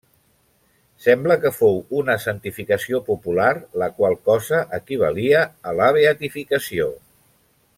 Sembla que fou una santificació popular, la qual cosa equivalia a la beatificació.